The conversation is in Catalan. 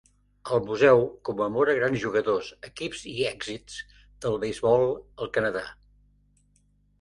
El museu commemora grans jugadors, equips i èxits del beisbol al Canadà.